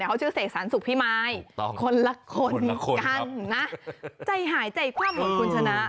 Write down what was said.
เขาชื่อเสกสรรสุขพิมายคนละคนกันนะใจหายใจคว่ำหมดคุณชนะ